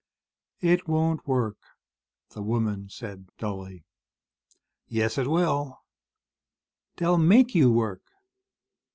"It won't work," the woman said dully. "Yes, it will." "They'll make you work."